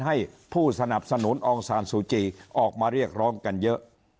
ให้ผู้สนับสนุนองซานซูจีออกมาเรียกร้องกันเยอะ